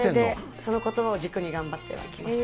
そのことばを軸に頑張ってはきました。